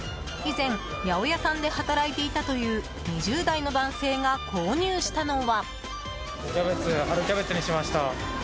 以前、八百屋さんで働いていたという２０代の男性が購入したのは。